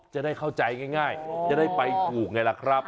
จะได้เข้าใจง่ายจะได้ไปถูกไงล่ะครับ